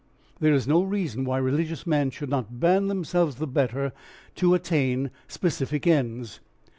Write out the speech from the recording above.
There is no reason why religious men should not band themselves the better to attain specific ends.